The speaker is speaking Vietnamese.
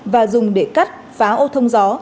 và dùng để cắt phá ô thông gió